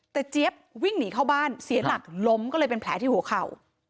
แต่เจี๊ยบวิ่งหนีเข้าบ้านเสียหลักล้มก็เลยเป็นแผลที่หัวเข่า